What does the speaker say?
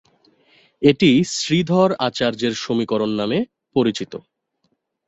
এটি শ্রীধর আচার্যের সমীকরণ নামে পরিচিত।